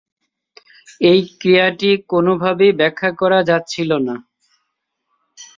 এই ক্রিয়াটি কোনভাবেই ব্যাখ্যা করা যাচ্ছিলোনা।